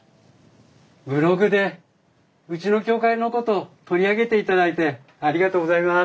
ブログでうちの協会のこと取り上げていただいてありがとうございます。